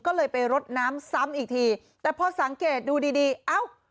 ก็เลยไปรดน้ำซ้ำอีกทีแต่พอสังเกตดูดีดีเอ้า